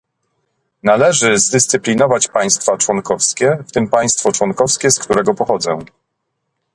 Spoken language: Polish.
należy zdyscyplinować państwa członkowskie, w tym państwo członkowskie, z którego pochodzę